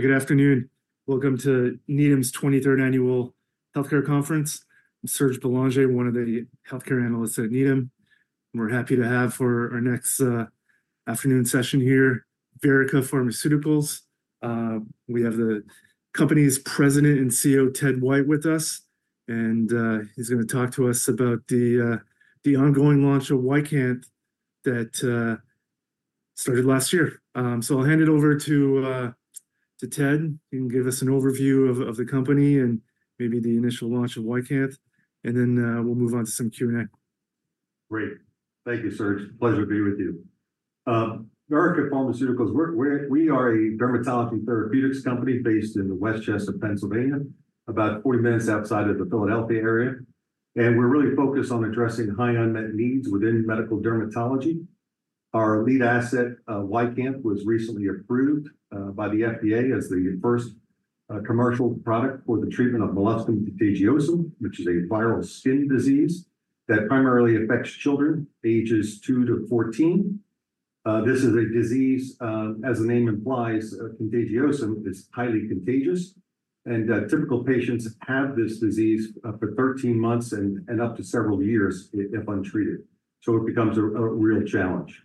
Good afternoon. Welcome to Needham's 23rd Annual Healthcare Conference. I'm Serge Belanger, one of the Healthcare Analysts at Needham. We're happy to have for our next afternoon session here Verrica Pharmaceuticals. We have the company's President and CEO, Ted White, with us. He's going to talk to us about the ongoing launch of YCANTH that started last year. So I'll hand it over to Ted. He can give us an overview of the company and maybe the initial launch of YCANTH. And then, we'll move on to some Q&A. Great. Thank you, Serge. Pleasure to be with you. Verrica Pharmaceuticals. We are a dermatology therapeutics company based in West Chester, Pennsylvania, about 40 minutes outside of the Philadelphia area. We're really focused on addressing high unmet needs within medical dermatology. Our lead asset, YCANTH, was recently approved by the FDA as the first commercial product for the treatment of molluscum contagiosum, which is a viral skin disease that primarily affects children ages two to 14. This is a disease, as the name implies, contagiosum is highly contagious. Typical patients have this disease for 13 months and up to several years if untreated. So it becomes a real challenge.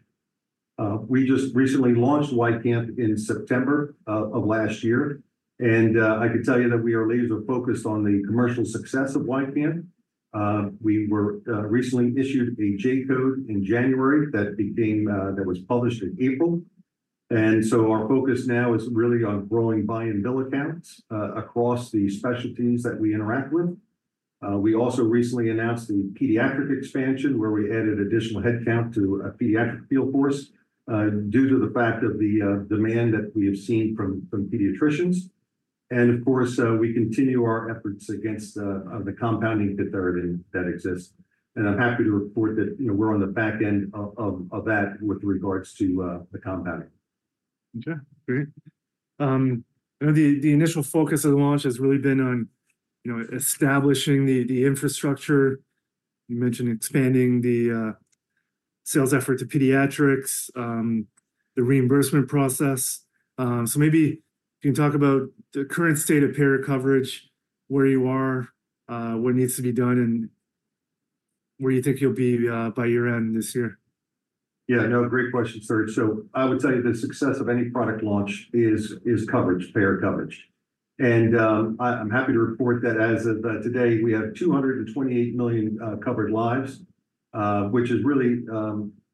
We just recently launched YCANTH in September of last year. I can tell you that we are laser-focused on the commercial success of YCANTH. We were recently issued a J-code in January that was published in April. And so our focus now is really on growing buy-and-bill accounts across the specialties that we interact with. We also recently announced the pediatric expansion, where we added additional headcount to a pediatric field force, due to the fact of the demand that we have seen from pediatricians. And, of course, we continue our efforts against the compounding concern that exists. And I'm happy to report that, you know, we're on the back end of that with regards to the compounding. Okay. Great. I know the initial focus of the launch has really been on, you know, establishing the infrastructure. You mentioned expanding the sales effort to pediatrics, the reimbursement process. So maybe if you can talk about the current state of payer coverage, where you are, what needs to be done, and where you think you'll be by year-end this year. Yeah. No, great question, Serge. So I would tell you the success of any product launch is coverage, payer coverage. And, I'm happy to report that as of today, we have 228 million covered lives, which is really,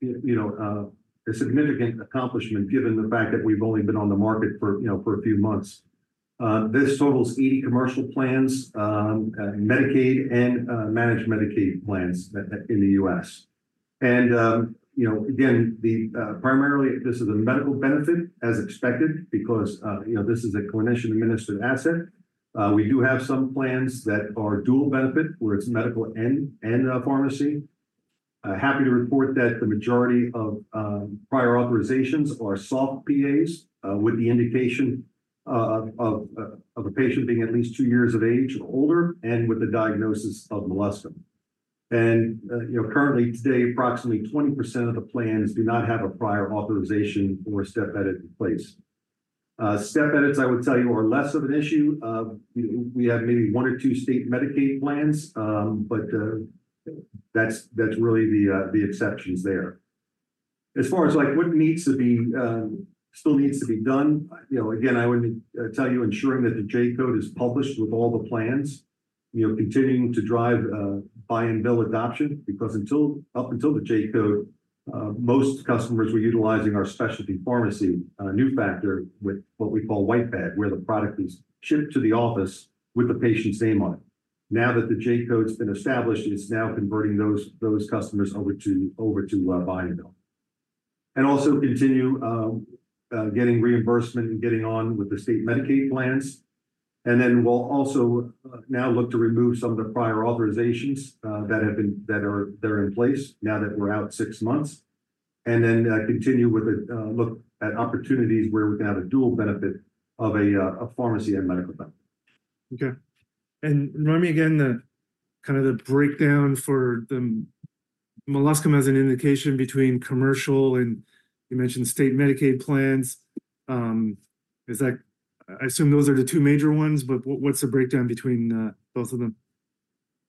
you know, a significant accomplishment given the fact that we've only been on the market for, you know, for a few months. This totals 80 commercial plans, Medicaid and managed Medicaid plans in the U.S. And, you know, again, primarily this is a medical benefit as expected because, you know, this is a clinician-administered asset. We do have some plans that are dual benefit, where it's medical and pharmacy. Happy to report that the majority of prior authorizations are soft PAs, with the indication of a patient being at least two years of age or older and with a diagnosis of molluscum. You know, currently today, approximately 20% of the plans do not have a prior authorization or a step edit in place. Step edits, I would tell you, are less of an issue. We have maybe one or two state Medicaid plans, but that's really the exceptions there. As far as, like, what still needs to be done, you know, again, I wouldn't tell you ensuring that the J-code is published with all the plans, you know, continuing to drive buy-and-bill adoption. Because until the J-code, most customers were utilizing our specialty pharmacy, Nufactor, with what we call white-bag, where the product is shipped to the office with the patient's name on it. Now that the J-code's been established, it's now converting those customers over to buy-and-bill. Also continue getting reimbursement and getting on with the state Medicaid plans. And then we'll also now look to remove some of the prior authorizations that are in place now that we're out six months. And then continue with a look at opportunities where we can have a dual benefit of a pharmacy and medical benefit. Okay. And remind me again, the kind of the breakdown for the molluscum as an indication between commercial and you mentioned state Medicaid plans. Is that I assume those are the two major ones, but what's the breakdown between both of them?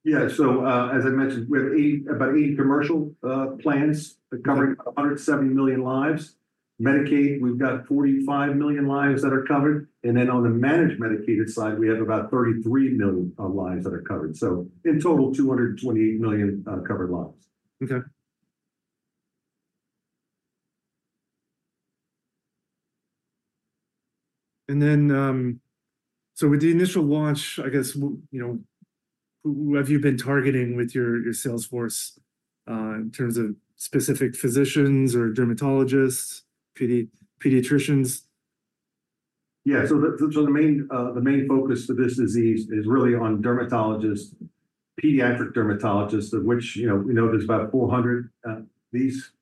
Yeah. So, as I mentioned, we have about 80 commercial plans covering about 170 million lives. Medicaid, we've got 45 million lives that are covered. And then on the managed Medicaid side, we have about 33 million lives that are covered. So in total, 228 million covered lives. Okay. And then, so with the initial launch, I guess, you know, who have you been targeting with your sales force, in terms of specific physicians or dermatologists, pediatricians? Yeah. So the main focus for this disease is really on dermatologists, pediatric dermatologists, of which, you know, we know there's about 400. These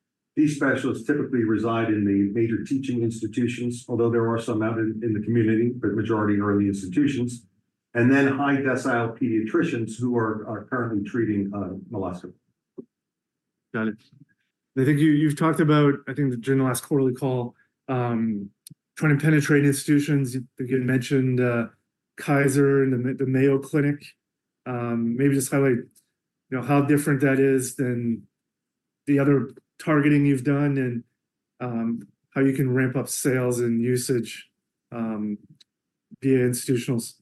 specialists typically reside in the major teaching institutions, although there are some out in the community, but the majority are in the institutions. And then high-decile pediatricians who are currently treating molluscum. Got it. And I think you've talked about, I think, during the last quarterly call, trying to penetrate institutions. You again mentioned Kaiser and the Mayo Clinic. Maybe just highlight, you know, how different that is than the other targeting you've done and how you can ramp up sales and usage via institutionals.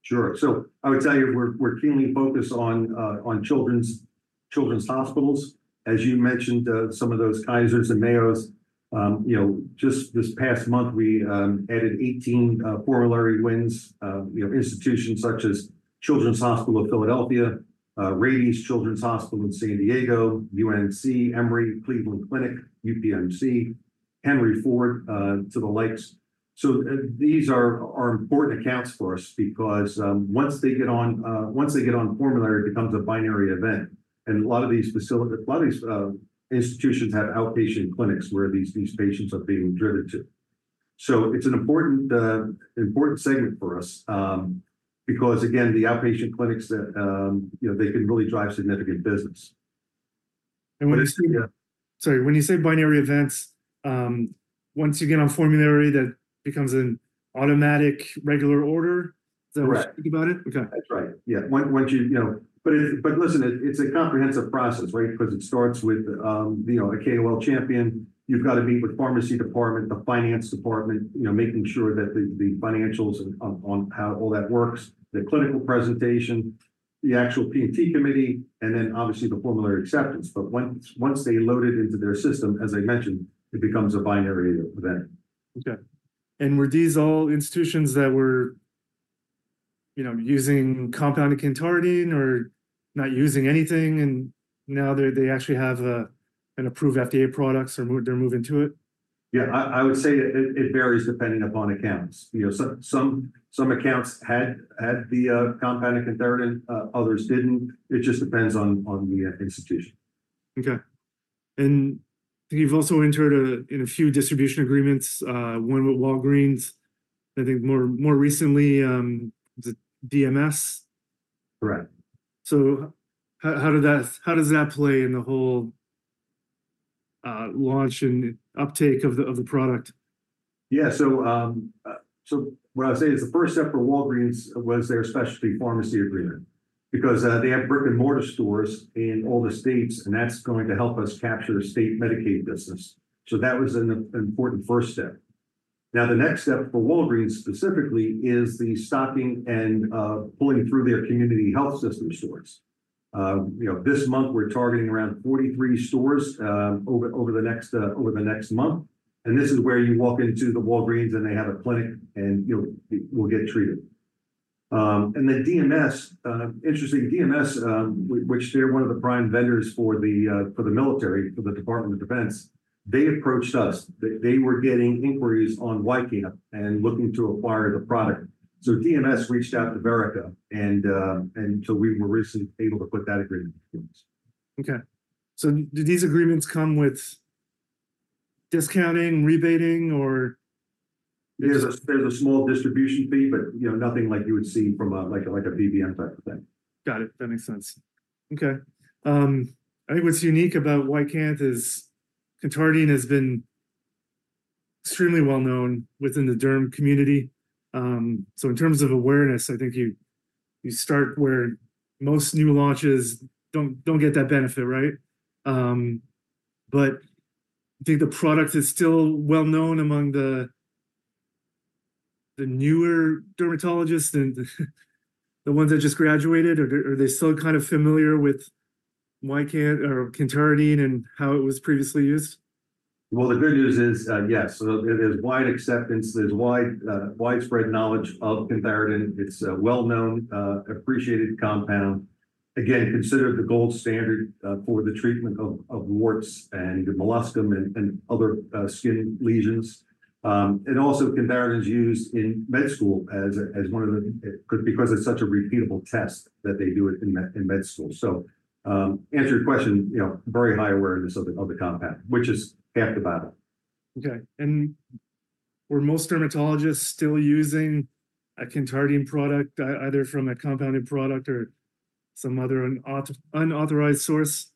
Sure. So I would tell you we're keenly focused on children's hospitals. As you mentioned, some of those Kaisers and Mayos, you know, just this past month, we added 18 formulary wins, you know, institutions such as Children's Hospital of Philadelphia, Rady Children's Hospital in San Diego, UNC, Emory, Cleveland Clinic, UPMC, Henry Ford, to the likes. So these are important accounts for us because, once they get on formulary, it becomes a binary event. And a lot of these facilities, a lot of these institutions have outpatient clinics where these patients are being driven to. So it's an important segment for us, because, again, the outpatient clinics that, you know, they can really drive significant business. When you say, sorry, when you say binary events, once you get on formulary, that becomes an automatic regular order? Is that what you think about it? Okay. Right. That's right. Yeah. Once you, you know, but listen, it's a comprehensive process, right? Because it starts with, you know, a KOL champion. You've got to meet with pharmacy department, the finance department, you know, making sure that the financials and on how all that works, the clinical presentation, the actual P&T committee, and then, obviously, the formulary acceptance. But once they load it into their system, as I mentioned, it becomes a binary event. Okay. Were these all institutions that were, you know, using compounding cantharidin or not using anything, and now they actually have an approved FDA products, or they're moving to it? Yeah. I would say it varies depending upon accounts. You know, some accounts had the compounding cantharidin. Others didn't. It just depends on the institution. Okay. And I think you've also entered into a few distribution agreements. One with Walgreens. I think more recently, the DMS. Correct. So how does that play in the whole launch and uptake of the product? Yeah. So what I'll say is the first step for Walgreens was their specialty pharmacy agreement. Because they have brick-and-mortar stores in all the states, and that's going to help us capture state Medicaid business. So that was an important first step. Now, the next step for Walgreens specifically is the stocking and pulling through their community health system stores. You know, this month, we're targeting around 43 stores over the next month. And this is where you walk into the Walgreens, and they have a clinic, and you know, you will get treated. And the DMS, interesting, DMS, which they're one of the prime vendors for the military, for the Department of Defense, they approached us. They were getting inquiries on YCANTH and looking to acquire the product. So DMS reached out to Verrica, and so we were recently able to put that agreement into place. Okay. Do these agreements come with discounting, rebating, or? There's a small distribution fee, but, you know, nothing like you would see from a buy-and-bill type of thing. Got it. That makes sense. Okay. I think what's unique about YCANTH is cantharidin has been extremely well-known within the derm community. So in terms of awareness, I think you start where most new launches don't get that benefit, right? But I think the product is still well-known among the newer dermatologists and the ones that just graduated. Or are they still kind of familiar with YCANTH or cantharidin and how it was previously used? Well, the good news is, yes. So there's wide acceptance. There's wide, widespread knowledge of cantharidin. It's a well-known, appreciated compound. Again, considered the gold standard for the treatment of warts and molluscum and other skin lesions. And also, cantharidin's used in med school as one of the because it's such a repeatable test that they do it in med school. So, answer your question, you know, very high awareness of the compound, which is half the battle. Okay. And were most dermatologists still using a cantharidin product, either from a compounded product or some other unauthorized source?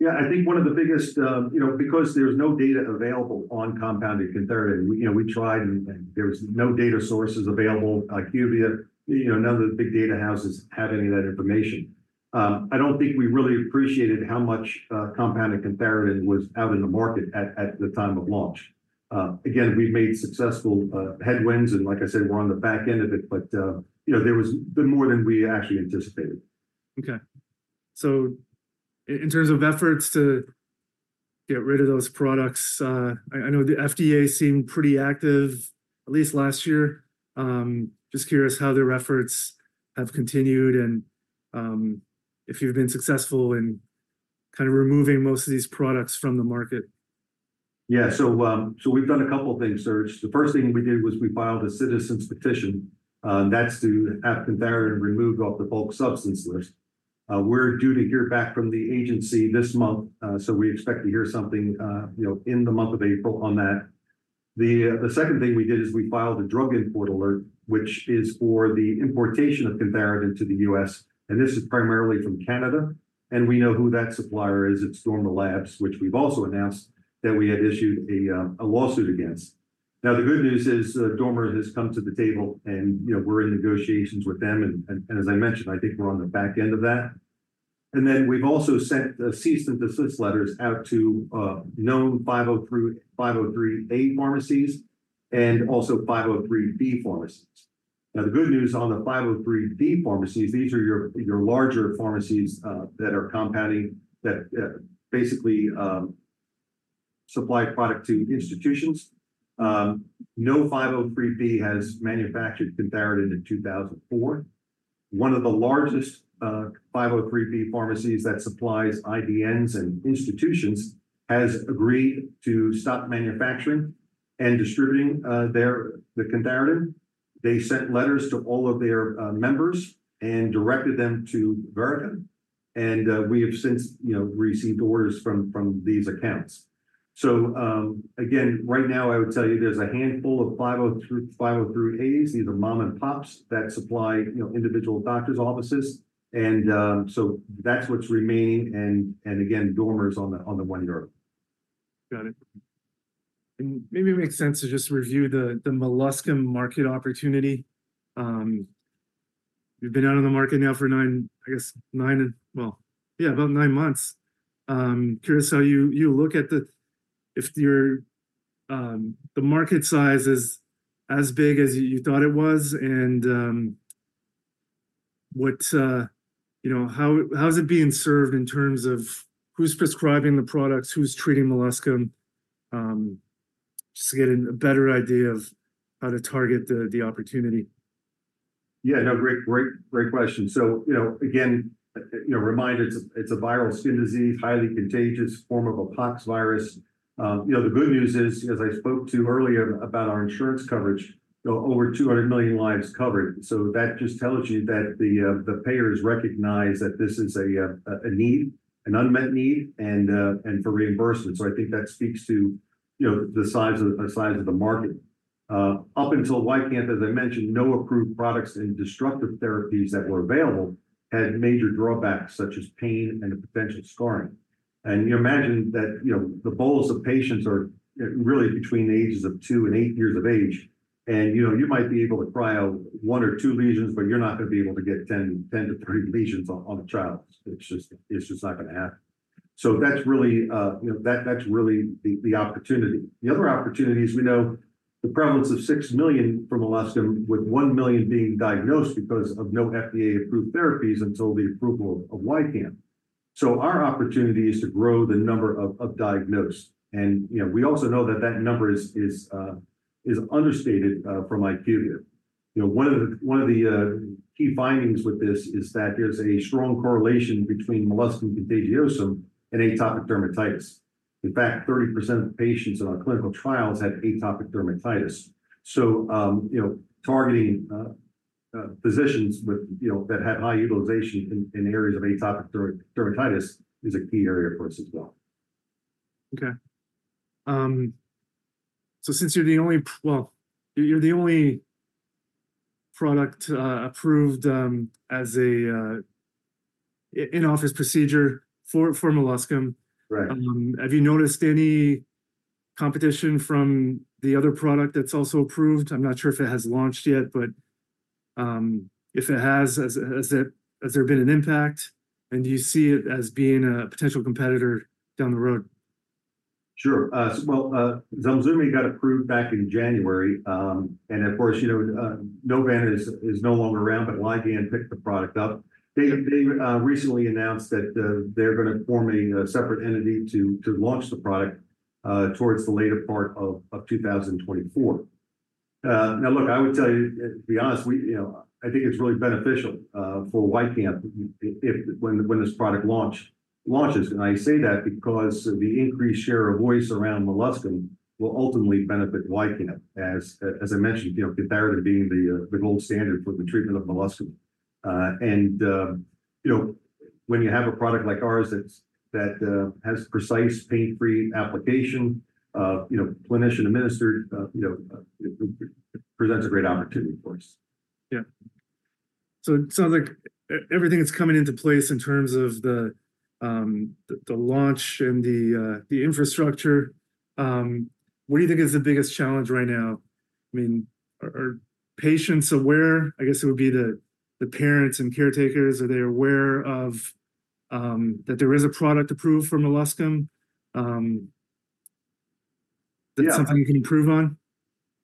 Yeah. I think one of the biggest, you know, because there's no data available on compounded cantharidin, we, you know, we tried, and there was no data sources available. IQVIA, you know, none of the big data houses have any of that information. I don't think we really appreciated how much compounded cantharidin was out in the market at the time of launch. Again, we've made successful headwinds, and like I said, we're on the back end of it. But, you know, there was more than we actually anticipated. Okay. So in terms of efforts to get rid of those products, I know the FDA seemed pretty active, at least last year. Just curious how their efforts have continued and, if you've been successful in kind of removing most of these products from the market. Yeah. So we've done a couple of things, Serge. The first thing we did was we filed a citizens' petition. That's to have cantharidin removed off the bulk substance list. We're due to hear back from the agency this month, so we expect to hear something, you know, in the month of April on that. The second thing we did is we filed a drug import alert, which is for the importation of cantharidin to the U.S. And this is primarily from Canada. And we know who that supplier is. It's Dormer Labs, which we've also announced that we had issued a lawsuit against. Now, the good news is Dormer has come to the table, and, you know, we're in negotiations with them. And as I mentioned, I think we're on the back end of that. And then we've also sent cease and desist letters out to known 503(a) pharmacies and also 503(b) pharmacies. Now, the good news on the 503(b) pharmacies, these are your larger pharmacies that are compounding that, basically, supply product to institutions. No 503(b) has manufactured cantharidin in 2004. One of the largest 503(b) pharmacies that supplies IDNs and institutions has agreed to stop manufacturing and distributing their cantharidin. They sent letters to all of their members and directed them to Verrica. And we have since, you know, received orders from these accounts. So, again, right now, I would tell you, there's a handful of 503(a)s. These are mom-and-pops that supply, you know, individual doctors' offices. And again, Dormer is on the one yard. Got it. Maybe it makes sense to just review the molluscum market opportunity. You've been out on the market now for nine, I guess, and well, yeah, about nine months. Curious how you look at the if your, the market size is as big as you thought it was and, what, you know, how is it being served in terms of who's prescribing the products, who's treating molluscum, just to get a better idea of how to target the opportunity? Yeah. No, great, great, great question. So, you know, again, you know, reminder, it's a viral skin disease, highly contagious form of a pox virus. You know, the good news is, as I spoke to earlier about our insurance coverage, you know, over 200 million lives covered. So that just tells you that the payers recognize that this is a need, an unmet need, and for reimbursement. So I think that speaks to, you know, the size of the market. Up until YCANTH, as I mentioned, no approved products and destructive therapies that were available had major drawbacks such as pain and potential scarring. And you imagine that, you know, the bulk of patients are really between the ages of two and eight years of age. And, you know, you might be able to cryo one or two lesions, but you're not going to be able to get 10 to 30 lesions on a child. It's just not going to happen. So that's really, you know, that's really the opportunity. The other opportunity is we know the prevalence of 6 million for molluscum, with 1 million being diagnosed because of no FDA-approved therapies until the approval of YCANTH. So our opportunity is to grow the number of diagnosed. And, you know, we also know that that number is understated, from IQVIA. You know, one of the key findings with this is that there's a strong correlation between molluscum contagiosum and atopic dermatitis. In fact, 30% of patients in our clinical trials had atopic dermatitis. You know, targeting physicians with, you know, that had high utilization in areas of atopic dermatitis is a key area for us as well. Okay. So since you're the only product approved as a in-office procedure for molluscum. Right. Have you noticed any competition from the other product that's also approved? I'm not sure if it has launched yet, but if it has, has there been an impact, and do you see it as being a potential competitor down the road? Sure. Well, ZELSUVMI got approved back in January. And of course, you know, Novan is no longer around, but Ligand picked the product up. They recently announced that, they're going to form a separate entity to launch the product, towards the later part of 2024. Now, look, I would tell you, to be honest, we, you know, I think it's really beneficial, for YCANTH if when this product launches. And I say that because the increased share of voice around molluscum will ultimately benefit YCANTH, as I mentioned, you know, cantharidin being the gold standard for the treatment of molluscum. And, you know, when you have a product like ours that's, has precise, pain-free application, you know, clinician-administered, you know, presents a great opportunity for us. Yeah. So it sounds like everything's coming into place in terms of the launch and the infrastructure. What do you think is the biggest challenge right now? I mean, are patients aware? I guess it would be the parents and caretakers. Are they aware of that there is a product approved for molluscum? That's something you can improve on? Yeah.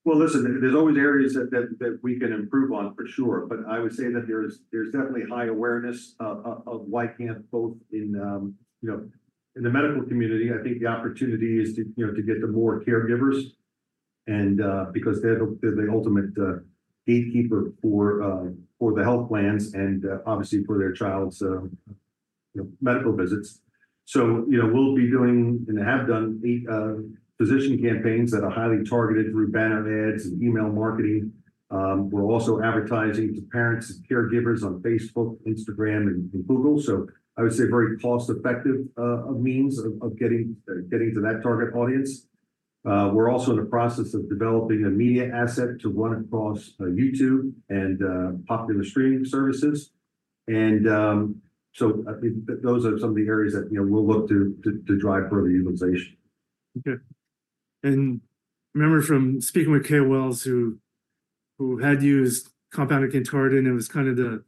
Well, listen, there's always areas that we can improve on, for sure. But I would say that there's definitely high awareness of YCANTH, both in, you know, in the medical community. I think the opportunity is to, you know, to get the more caregivers. And, because they're the ultimate gatekeeper for the health plans and, obviously, for their child's, you know, medical visits. So, you know, we'll be doing and have done eight physician campaigns that are highly targeted through banner ads and email marketing. We're also advertising to parents and caregivers on Facebook, Instagram, and Google. So I would say very cost-effective means of getting to that target audience. We're also in the process of developing a media asset to run across YouTube and popular streaming services. So, I think those are some of the areas that, you know, we'll look to drive further utilization. Okay. And I remember from speaking with KOLs, who had used compounded cantharidin and was kind of the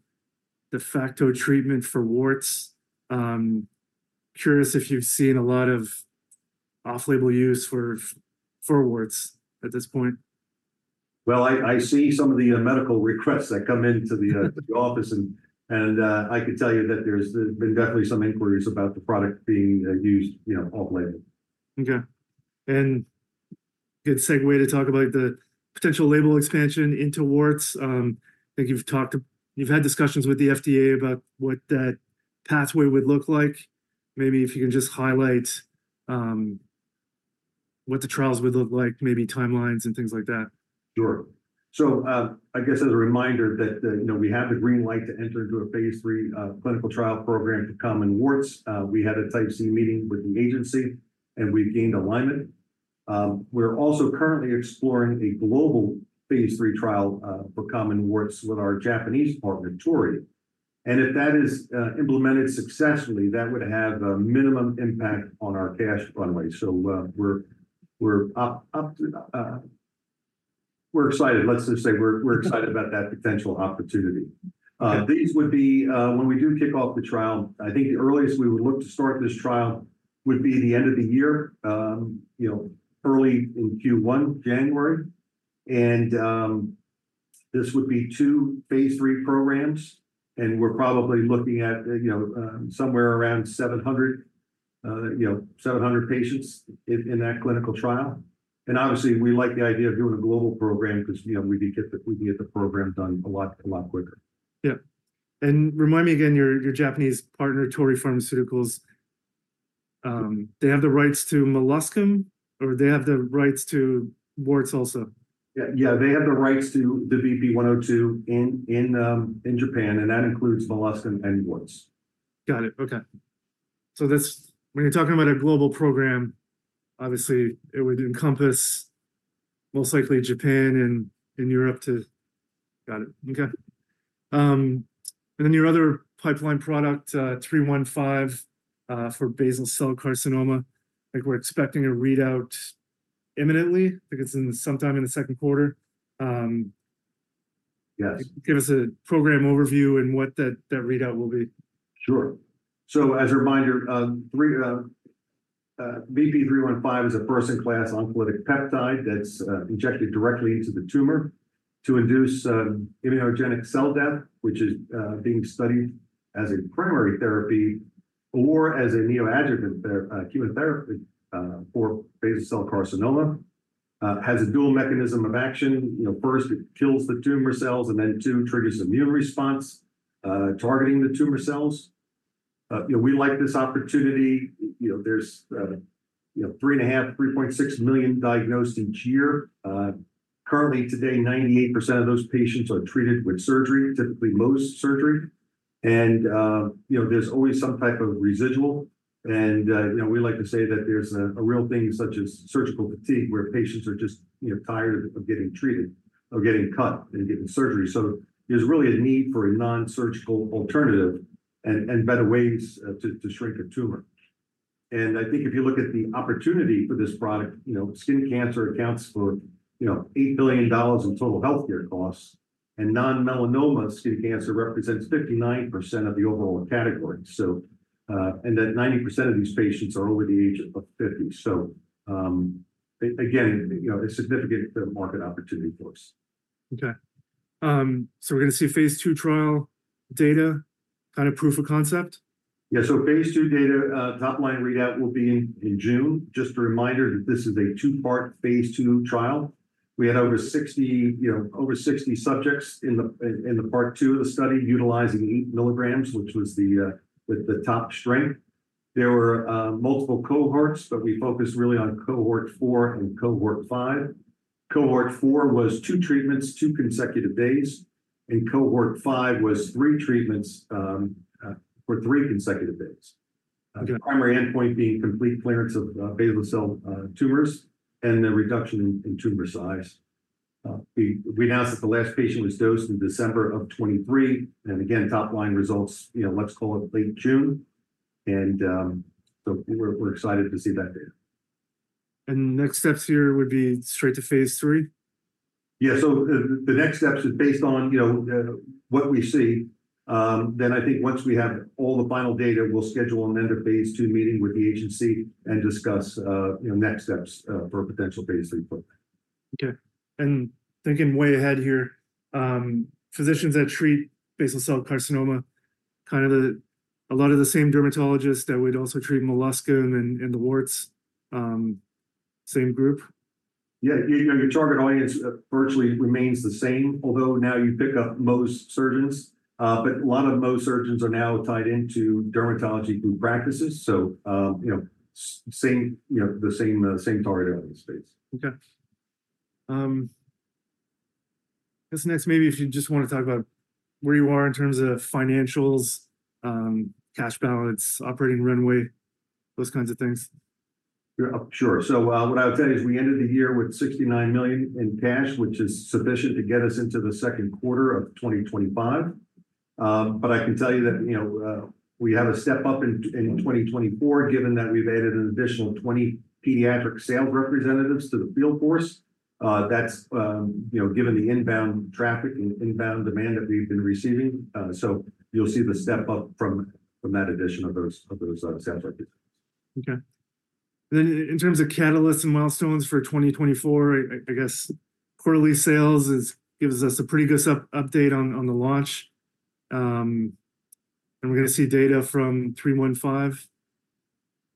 de facto treatment for warts. Curious if you've seen a lot of off-label use for warts at this point. Well, I see some of the medical requests that come into the office. And I can tell you that there's been definitely some inquiries about the product being used, you know, off-label. Okay. Good segue to talk about the potential label expansion into warts. I think you've had discussions with the FDA about what that pathway would look like. Maybe if you can just highlight what the trials would look like, maybe timelines and things like that. Sure. So, I guess as a reminder that, you know, we have the green light to enter into a phase III clinical trial program for common warts. We had a Type C meeting with the agency, and we've gained alignment. We're also currently exploring a global phase III trial for common warts with our Japanese partner, Torii. And if that is implemented successfully, that would have a minimum impact on our cash runway. So, we're up to, we're excited. Let's just say we're excited about that potential opportunity. These would be, when we do kick off the trial, I think the earliest we would look to start this trial would be the end of the year, you know, early in Q1, January. And this would be two phase III programs. We're probably looking at, you know, somewhere around 700, you know, 700 patients in that clinical trial. Obviously, we like the idea of doing a global program because, you know, we can get the program done a lot quicker. Yeah. And remind me again, your Japanese partner, Torii Pharmaceuticals, they have the rights to molluscum, or they have the rights to warts also? Yeah. Yeah. They have the rights to the VP-102 in Japan. And that includes molluscum and warts. Got it. Okay. So that's when you're talking about a global program, obviously, it would encompass most likely Japan and Europe too. Got it. Okay. And then your other pipeline product, VP-315, for basal cell carcinoma. I think we're expecting a readout imminently. I think it's in sometime in the second quarter. Yes. Give us a program overview and what that readout will be. Sure. So as a reminder, VP-315 is a first-in-class oncolytic peptide that's injected directly into the tumor to induce immunogenic cell death, which is being studied as a primary therapy or as a neoadjuvant therapy chemotherapy for basal cell carcinoma. It has a dual mechanism of action. You know, first, it kills the tumor cells, and then two, triggers immune response targeting the tumor cells. You know, we like this opportunity. You know, there's you know 3.5 million-3.6 million diagnosed each year. Currently, today, 98% of those patients are treated with surgery, typically Mohs surgery. And you know, there's always some type of residual. And you know, we like to say that there's a real thing such as surgical fatigue, where patients are just you know tired of getting treated or getting cut and getting surgery. So there's really a need for a nonsurgical alternative and better ways to shrink a tumor. And I think if you look at the opportunity for this product, you know, skin cancer accounts for, you know, $8 billion in total healthcare costs. And non-melanoma skin cancer represents 59% of the overall category. So, that 90% of these patients are over the age of 50. So, again, you know, a significant market opportunity for us. Okay. So we're going to see phase II trial data, kind of proof of concept? Yeah. So phase II data, top-line readout will be in June. Just a reminder that this is a two-part phase II trial. We had over 60, you know, over 60 subjects in the part 2 of the study utilizing 8 mg, which was the top strength. There were multiple cohorts, but we focused really on Cohort 4 and Cohort 5. Cohort 4 was two treatments, two consecutive days. And Cohort 5 was three treatments, for three consecutive days. The primary endpoint being complete clearance of basal cell tumors and the reduction in tumor size. We announced that the last patient was dosed in December of 2023. And again, top-line results, you know, let's call it late June. So we're excited to see that data. Next steps here would be straight to phase III? Yeah. So the next steps is based on, you know, what we see. Then I think once we have all the final data, we'll schedule an end-of-phase II meeting with the agency and discuss, you know, next steps, for a potential phase III program. Okay. And thinking way ahead here, physicians that treat basal cell carcinoma, kind of a lot of the same dermatologists that would also treat molluscum and the warts, same group? Yeah. Your target audience virtually remains the same, although now you pick up Mohs surgeons. But a lot of Mohs surgeons are now tied into dermatology group practices. So, you know, the same, you know, the same, same target audience space. Okay. I guess next, maybe if you just want to talk about where you are in terms of financials, cash balance, operating runway, those kinds of things? Sure. So, what I would say is we ended the year with $69 million in cash, which is sufficient to get us into the second quarter of 2025. But I can tell you that, you know, we have a step up in 2024, given that we've added an additional 20 pediatric sales representatives to the field force. That's, you know, given the inbound traffic and inbound demand that we've been receiving. So you'll see the step up from that addition of those sales representatives. Okay. And then in terms of catalysts and milestones for 2024, I guess quarterly sales gives us a pretty good update on the launch. And we're going to see data from VP-315.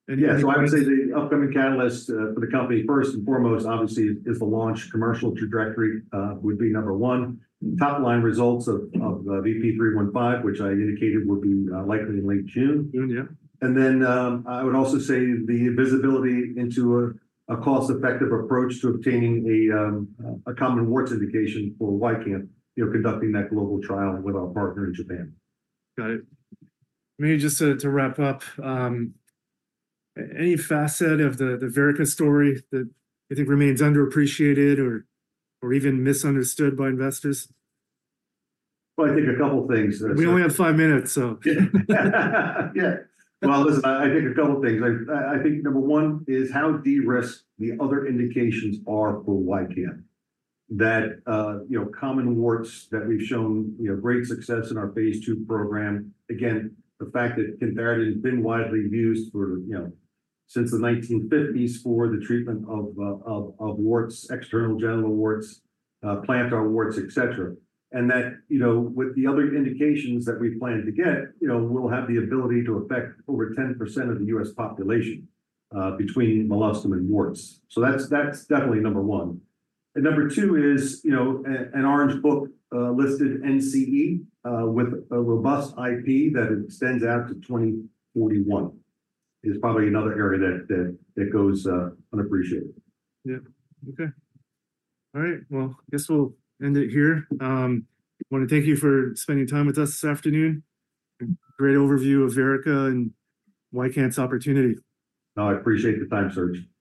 And yeah. Yeah. So I would say the upcoming catalyst for the company first and foremost, obviously, is the launch commercial trajectory, would be number one. Top-line results of VP-315, which I indicated would be likely in late June. June. Yeah. Then, I would also say the visibility into a cost-effective approach to obtaining a common warts indication for YCANTH, you know, conducting that global trial with our partner in Japan. Got it. Maybe just to wrap up, any facet of the Verrica story that you think remains underappreciated or even misunderstood by investors? Well, I think a couple of things that. We only have five minutes, so. Yeah. Well, listen, I think a couple of things. I think number one is how de-risked the other indications are for YCANTH, that, you know, common warts that we've shown, you know, great success in our phase II program. Again, the fact that cantharidin's been widely used for, you know, since the 1950s for the treatment of warts, external genital warts, plantar warts, et cetera. And that, you know, with the other indications that we plan to get, you know, we'll have the ability to affect over 10% of the U.S. population, between molluscum and warts. So that's definitely number one. And number two is, you know, an Orange Book, listed NCE, with a robust IP that extends out to 2041 is probably another area that goes, unappreciated. Yeah. Okay. All right. Well, I guess we'll end it here. I want to thank you for spending time with us this afternoon. Great overview of Verrica and YCANTH's opportunity. Oh, I appreciate the time, sir.